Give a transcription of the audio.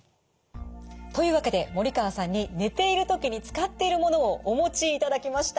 というわけで森川さんに寝ている時に使っているものをお持ちいただきました。